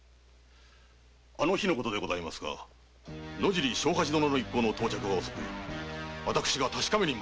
あの日の事でございますが野尻庄八殿の一行の到着を私が確かめに。